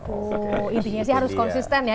oh intinya sih harus konsisten ya